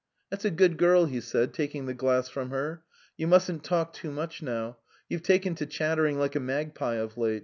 That's a good girl," he said, taking the glass from her. " You must not talk much, and you have been chattering like a magpie lately.